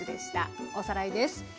おさらいです。